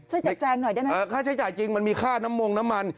แจกแจงหน่อยได้ไหมเออค่าใช้จ่ายจริงมันมีค่าน้ำมงน้ำมัน